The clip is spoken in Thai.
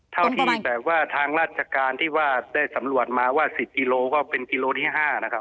เท่าที่แบบว่าทางราชการที่ว่าได้สำรวจมาว่า๑๐กิโลก็เป็นกิโลที่๕นะครับ